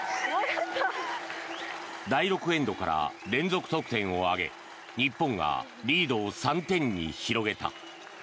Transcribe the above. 第６エンドから連続得点を挙げ日本がリードを３点に広げた。